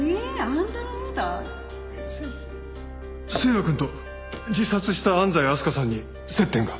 星也くんと自殺した安西明日香さんに接点が？